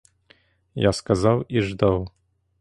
Я сказав і ждав.